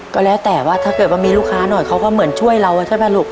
ก็แล้วแต่ว่าถ้าเกิดว่ามีลูกค้าหน่อยเขาก็เหมือนช่วยเราใช่ไหมลูก